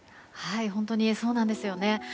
本当にそうなんですよね。